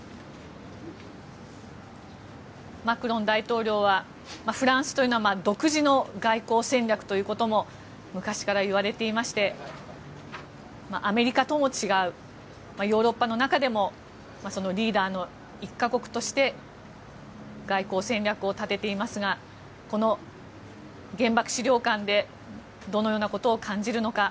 マクロン大統領はフランスというのは独自の外交戦略ということも昔からいわれていましてアメリカとも違うヨーロッパの中でもリーダーの１か国として外交戦略を立てていますがこの原爆資料館でどのようなことを感じるのか。